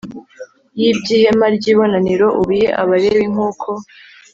y iby ihema ry ibonaniro ubihe Abalewi nk uko